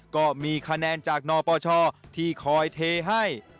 ก็มีคะแนนจากนปชที่คอยเทให้